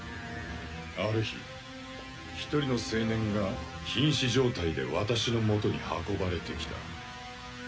ある日一人の青年が瀕死状態で私の元に運ばれてきた。